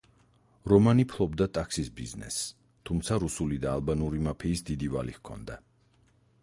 რომანი ფლობდა ტაქსის ბიზნესს, თუმცა რუსული და ალბანური მაფიის დიდი ვალი ჰქონდა.